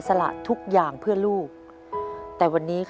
สร้างความตรงที่นิถยนต์